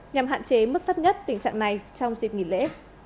nhằm hạn chế mức thấp nhất tình trạng này trong dịp nghỉ lễ